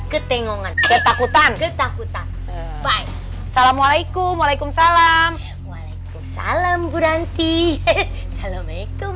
ketengongan ketakutan ketakutan baik salamualaikum waalaikumsalam waalaikumsalam bu ranti salam